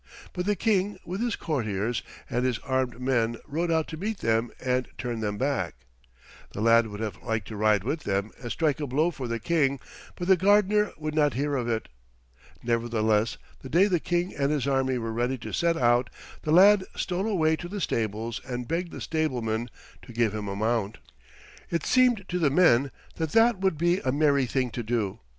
But the King with his courtiers and his armed men rode out to meet them and turn them back. The lad would have liked to ride with them and strike a blow for the King, but the gardener would not hear of it. Nevertheless the day the King and his army were ready to set out the lad stole away to the stables and begged the stablemen to give him a mount. It seemed to the men that that would be a merry thing to do.